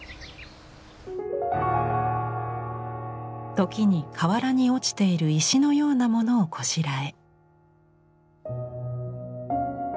時に河原に落ちている石のようなものをこしらえ。